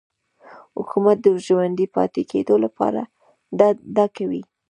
حکومت د ژوندي پاتې کېدو لپاره دا کوي.